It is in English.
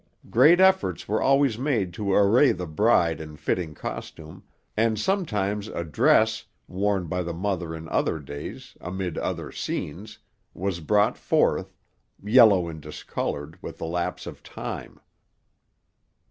Great efforts were always made to array the bride in fitting costume; and sometimes a dress, worn by the mother in other days, amid other scenes, was brought forth, yellow and discoloured with the lapse of time.